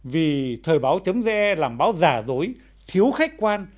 vì thời báo ge làm báo giả dối thiếu khách quan